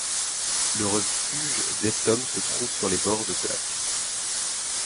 Le refuge d'Estom se trouve sur les bords de ce lac.